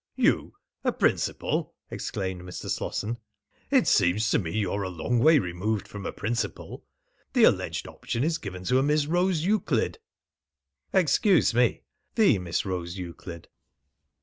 "You a principal!" exclaimed Mr. Slosson. "It seems to me you're a long way removed from a principal. The alleged option is given to a Miss Rose Euclid." "Excuse me the Miss Rose Euclid."